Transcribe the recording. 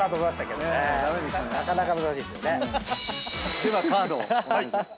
ではカードをお願いします。